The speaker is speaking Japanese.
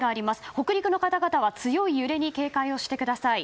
北陸の方々は強い揺れに警戒してください。